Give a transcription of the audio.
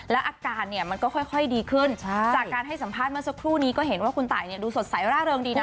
แล้วอาการเนี่ยมันก็ค่อยดีขึ้นจากการให้สัมภาษณ์เมื่อสักครู่นี้ก็เห็นว่าคุณตายเนี่ยดูสดใสร่าเริงดีนะ